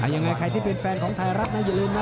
ยังไงใครที่เป็นแฟนของไทยรัฐนะอย่าลืมนะ